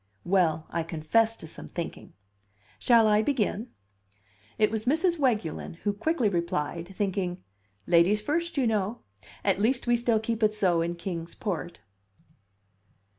"Well, I confess to some thinking. Shall I begin?" It was Mrs. Weguelin who quickly replied, smiling: "Ladies first, you know. At least we still keep it so in Kings Port."